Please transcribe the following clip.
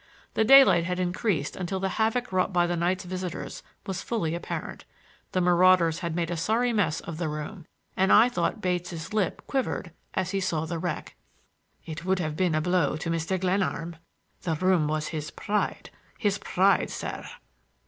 The daylight had increased until the havoc wrought by the night's visitors was fully apparent. The marauders had made a sorry mess of the room, and I thought Bates' lip quivered as he saw the wreck. "It would have been a blow to Mr. Glenarm; the room was his pride,—his pride, sir."